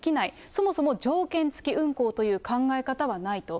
そもそも条件付き運航という考え方はないと。